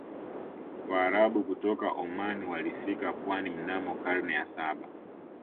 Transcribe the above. waarabu kutoka oman walifika pwani mnamo karne ya saba